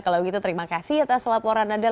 kalau begitu terima kasih atas laporan anda